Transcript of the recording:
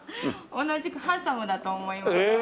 同じくハンサムだと思います。